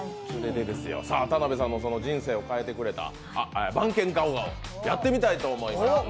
田辺さんの人生を変えてくれた番犬ガオガオ、やってみたいと思います。